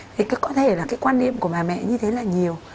thì có thể là cái quan niệm của bà mẹ như thế là nhiều